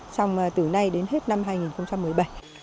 trong từ nay đến nay